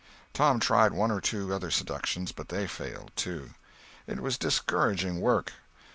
Tom tried one or two other seductions; but they failed, too. It was discouraging work.